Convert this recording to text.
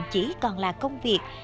chỉ còn là công việc